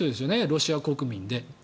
ロシア国民で。